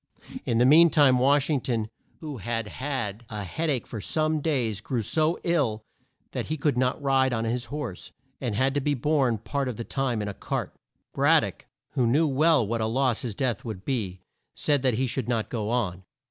In the mean time Wash ing ton, who had had a head ache for some days, grew so ill that he could not ride on his horse, and had to be borne part of the time in a cart. Brad dock who well knew what a loss his death would be said that he should not go on.